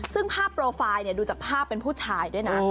ซึ่งภาพโปรไฟล์ดูจากภาพเป็นผู้ชายด้วยนะ